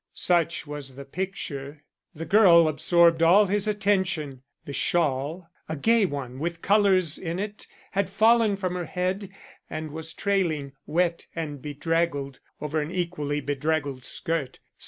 Such was the picture. The girl absorbed all his attention. The shawl a gay one with colors in it had fallen from her head and was trailing, wet and bedraggled, over an equally bedraggled skirt.